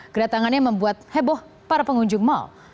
kedatangannya membuat heboh para pengunjung mal